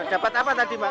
dapat apa tadi mbak